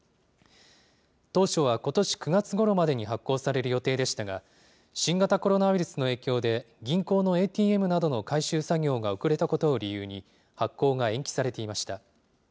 当初はことし９月ごろまでに発行される予定でしたが、新型コロナウイルスの影響で、銀行のＡＴＭなどの改修作業が遅れたことを理由に、発行が延期されていました。